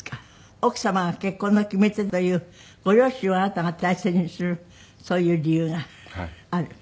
奥様が結婚の決め手というご両親をあなたが大切にするそういう理由がある？